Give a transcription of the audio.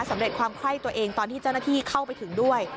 สำเร็จความไข้ตัวเองตอนที่เจ้าหน้าที่เข้าไปถึงด้วย